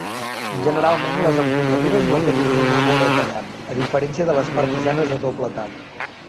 Generalment, les empunyadures no tenen una vora tallant, a diferència de les partisanes de doble tall.